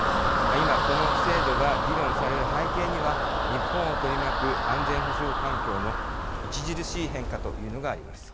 今、この制度が議論される背景には、日本を取り巻く安全保障環境の著しい変化というのがあります。